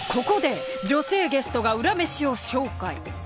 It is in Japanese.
ここで女性ゲストがウラ飯を紹介。